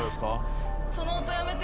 その音やめて。